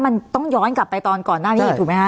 มันต้องย้อนกลับไปตอนก่อนหน้านี้ถูกไหมคะ